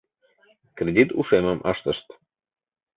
Кредит ушемым ыштышт.